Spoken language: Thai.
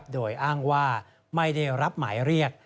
โดยอ้างว่าไม่ได้รับหมายเรียก